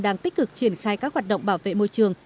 đang tích cực triển khai các hoạt động bảo vệ môi trường